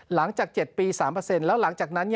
หลังจาก๗ปี๓แล้วหลังจากนั้น